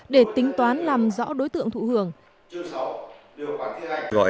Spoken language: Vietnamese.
để tính toán làm rõ đối tượng thụ hưởng